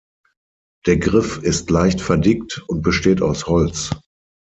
Der Griff ist leicht verdickt und besteht aus Holz.